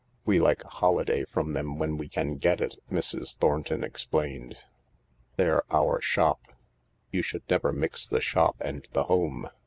"We like a holiday from them when we can get it," Mrs. Thornton explained. "They're our shop. You should never mix the shop and the home."